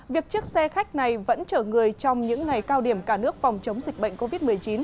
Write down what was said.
việc chiếc xe khách này vẫn chở người trong những ngày cao điểm cả nước phòng chống dịch bệnh covid một mươi chín